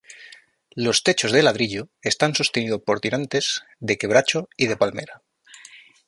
Los techos de ladrillos están sostenidos por tirantes de quebracho y de palmera.